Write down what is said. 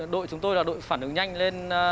đội chúng tôi là đội phản ứng nhanh lên